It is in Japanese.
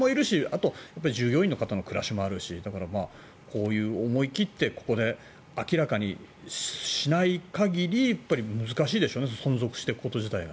あと従業員の方の暮らしもあるしこうやって思い切ってここで明らかにしない限り難しいでしょうね存続していくこと自体が。